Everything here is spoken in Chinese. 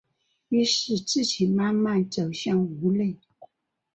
於是自己慢慢走回屋内